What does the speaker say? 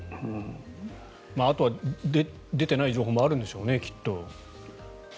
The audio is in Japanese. あとは出てない情報もあるんでしょうね、きっと。